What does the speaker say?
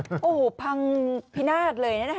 โอ้โหพังพินาศเลยนะฮะ